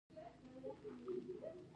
کچالو د سر درد لپاره ګټور دی.